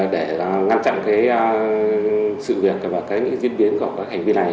để ngăn chặn sự việc và những diễn biến của hành vi này